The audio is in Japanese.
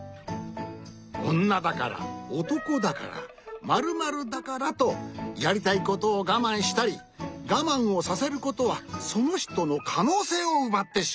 おんなだからおとこだから○○だからとやりたいことをがまんしたりがまんをさせることはそのひとのかのうせいをうばってしまう。